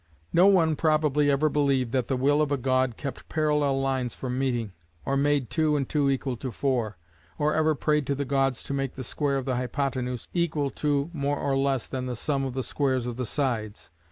No one, probably, ever believed that the will of a god kept parallel lines from meeting, or made two and two equal to four; or ever prayed to the gods to make the square of the hypothenuse equal to more or less than the sum of the squares of the sides.